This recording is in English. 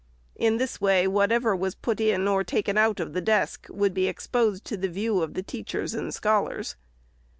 In this way, whatever was put in or taken out of the desk would be exposed to the view of the teacher and scholars.